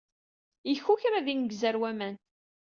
Yekkukra ad ineggez ɣer waman.